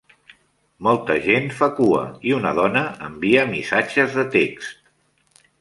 molta gent fa cua, i una dona envia missatges de text.